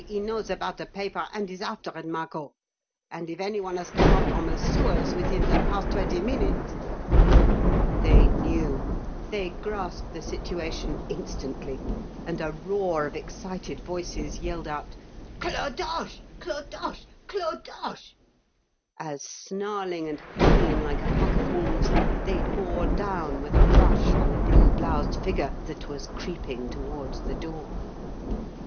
He knows about the paper, and is after it, Margot; and if anyone has come up from the sewers within the past twenty minutes " They knew they grasped the situation instantly and a roar of excited voices yelled out: "Clodoche! Clodoche! Clodoche!" as, snarling and howling like a pack of wolves, they bore down with a rush on the blue bloused figure that was creeping towards the door.